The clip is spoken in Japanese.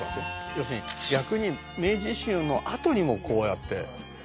「要するに逆に明治維新のあとにもこうやって」